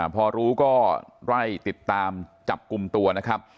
พอรู้ก็ไล่ติดตามจับกลุ่มตัวนะครับ